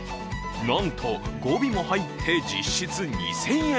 なんと５尾も入って、実質２０００円。